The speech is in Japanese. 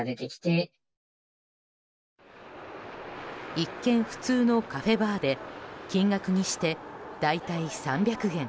一見、普通のカフェバーで金額にして大体３００元。